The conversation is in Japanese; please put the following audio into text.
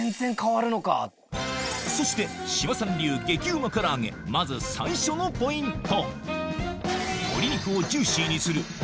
そして志麻さん流激うまから揚げまず最初のポイント